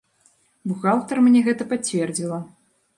Бухгалтар мне гэта пацвердзіла.